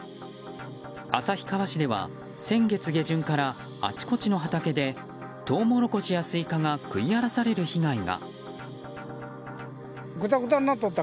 旭川市では、先月下旬からあちこちの畑でトウモロコシやスイカが食い荒らされる被害が。